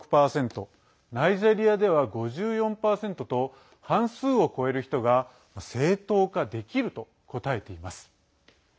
ナイジェリアでは５４％と半数を超える人が正当化できると答えています。